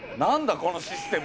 このシステムは。